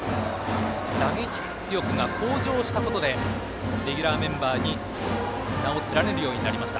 打撃力が向上したことでレギュラーメンバーに名を連ねるようになりました。